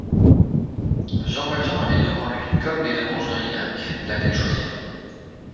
Jean Valjean avait devant lui comme les deux branches d’un Y. Laquelle choisir ?